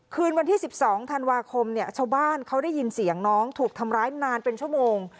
คืนวันที่๑๒ธันวาคมเนี่ยชาวบ้านเขาได้ยินเสียงน้องถูกทำร้ายนานเป็นชั่วโมง